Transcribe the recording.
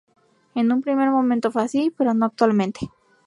En un primer momento fue así, pero no actualmente.